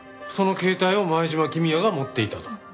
その携帯を前島公也が持っていたと。